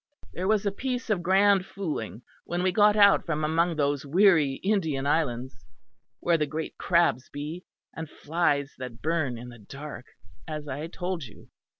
There was a piece of grand fooling when we got out from among those weary Indian islands; where the great crabs be, and flies that burn in the dark, as I told you.